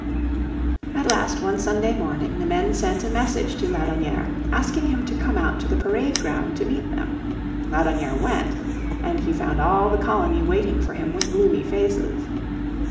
At last one Sunday morning the men sent a message to Laudonnière asking him to come out to the parade ground to meet them. Laudonnière went, and he found all the colony waiting for him with gloomy faces.